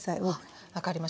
分かりました。